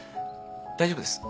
大丈夫です。